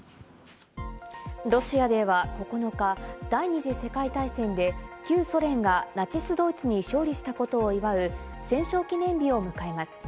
ロシアでは９日、第二次世界大戦で旧ソ連がナチスドイツに勝利したことを祝う戦勝記念日を迎えます。